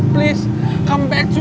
tolong kembali ke aku